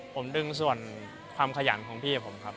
ผมดึงส่วนความขยันของพี่กับผมครับ